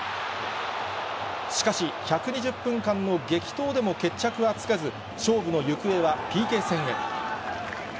しかし、１２０分間の激闘でも決着がつかず、勝負の行方はＰＫ戦へ。